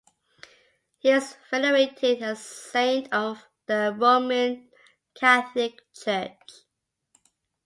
He is venerated as a saint of the Roman Catholic Church.